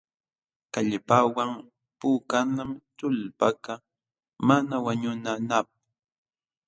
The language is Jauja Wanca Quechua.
Kallpawan puukanam tullpakaq mana wañunanapq.